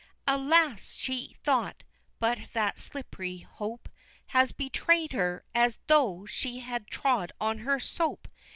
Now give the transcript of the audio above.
Alas! so she thought but that slippery hope Has betrayed her as tho' she had trod on her soap!